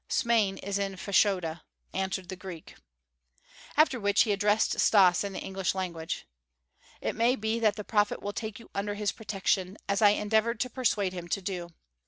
"Smain is in Fashoda," answered the Greek. After which he addressed Stas in the English language. "It may be that the prophet will take you under his protection as I endeavored to persuade him to do.